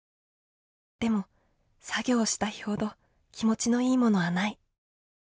でも作業した日ほど気持ちのいいものはない。